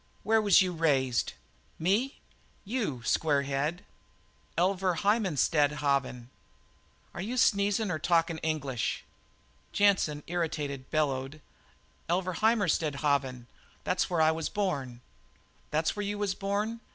"Where was you raised?" "Me?" "You, square head." "Elvaruheimarstadhaven." "Are you sneezin' or talkin' English?" Jansen, irritated, bellowed: "Elvaruheimarstadhaven! That's where I was born." "That's where you was born?